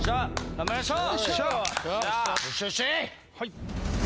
頑張りましょう！